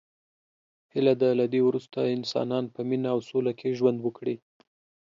هیله ده له دی وروسته انسانان په مینه او سوله کې ژوند وکړي.